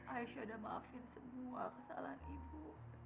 aisyah sudah memaafkan semua kesalahan ibu